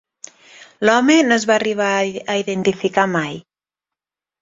L'home no es va arribar a identificar mai.